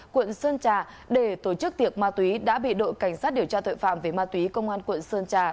quận sơn trà để tổ chức tiệc ma túy đã bị đội cảnh sát điều tra tội phạm về ma túy công an quận sơn trà